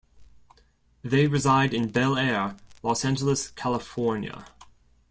They reside in Bel Air, Los Angeles, California.